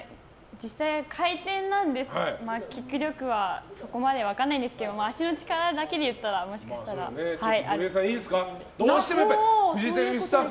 実際、回転なので、キック力はそこまでは分からないですけど足の力だけでいったらもしかしたらあるかも。